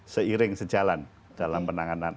seiring sejalan dalam penanganan